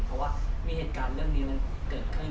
เพราะว่ามีเหตุการณ์เรื่องนี้นั้นเกิดขึ้น